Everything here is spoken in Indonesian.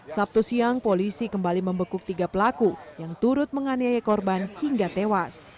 sabtu siang polisi kembali membekuk tiga pelaku yang turut menganiaya korban hingga tewas